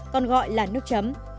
còn gọi là nước chấm